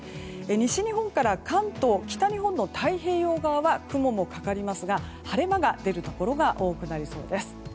西日本から関東北日本の太平洋側は雲もかかりますが晴れ間が出るところが多くなりそうです。